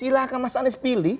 silahkan mas anies pilih